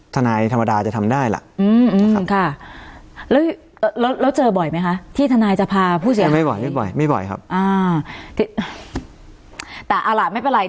ธนายธรรมดาจะทำได้ล่ะ